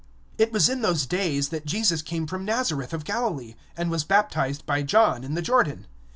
(9)And it came to pass in those days, that Jesus came from Nazareth of Galilee, and was immersed by John in the Jordan.